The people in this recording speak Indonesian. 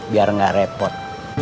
biar nggak repot